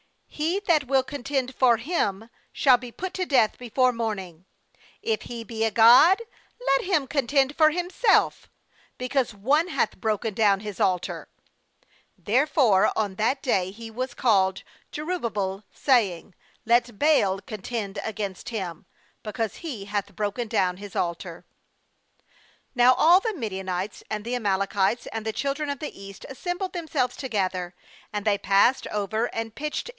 he that will contend for him, shall be )ut to death before morning; if he a god, let him contend for him self, because one hath broken down his altar.' 32Therefore on that day he was called bJerubbaal, saying: 'Let Baal contend against him, because he hath broken down his altar/ all the Midianites and the Amalekites and the children of the east assembled themselves together; and they passed over, and pitched in 6.